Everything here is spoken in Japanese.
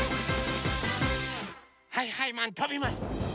はいはいマンとびます！